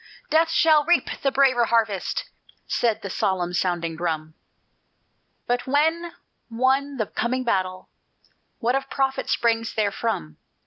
Death shall reap the braver harvest," said the solemn sounding drum. "But when won the coming battle, What of profit springs therefrom?